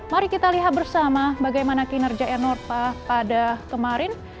mari kita lihat bersama bagaimana kinerja enorpa pada kemarin